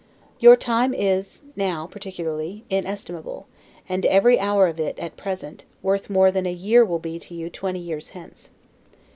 Your time is, now particularly, inestimable; and every hour of it, at present, worth more than a year will be to you twenty years hence.